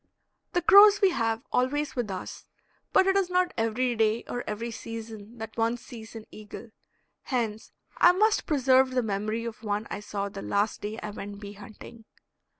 The crows we have always with us, but it is not every day or every season that one sees an eagle. Hence I must preserve the memory of one I saw the last day I went bee hunting.